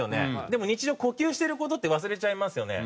でも日常呼吸してる事って忘れちゃいますよね。